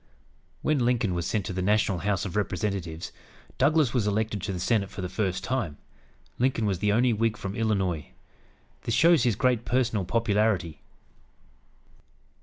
When Lincoln was sent to the national House of Representatives, Douglas was elected to the Senate for the first time. Lincoln was the only Whig from Illinois. This shows his great personal popularity.